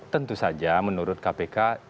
tentu saja menurut kpk